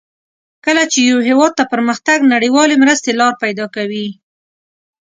کله چې یو هېواد ته پرمختګ نړیوالې مرستې لار پیداکوي.